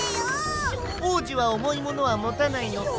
おうじはおもいものはもたないのさ。